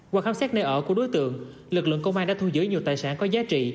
qua khám xét nơi ở của đối tượng lực lượng công an đã thu giữ nhiều tài sản có giá trị